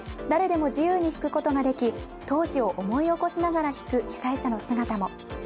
誰でも自由に弾くことができ当時を思い起こしながら弾く被災者の姿も。